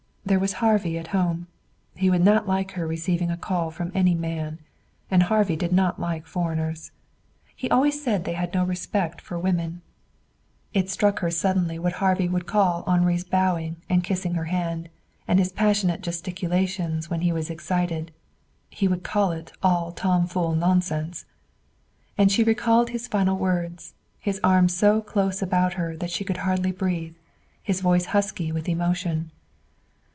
There was Harvey at home. He would not like her receiving a call from any man. And Harvey did not like foreigners. He always said they had no respect for women. It struck her suddenly what Harvey would call Henri's bowing and his kissing her hand, and his passionate gesticulations when he was excited. He would call it all tomfool nonsense. And she recalled his final words, his arms so close about her that she could hardly breathe, his voice husky with emotion.